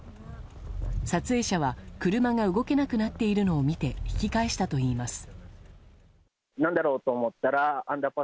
撮影者は車が動けなくなっているのを見て引き返したといいます。